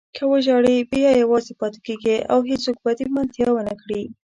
که وژاړې بیا یوازې پاتې کېږې او هېڅوک به دې ملتیا ونه کړي.